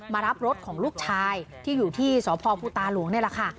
มารับรถของลูกชายที่อยู่ที่สพภูตาหลวงนี่แหละค่ะ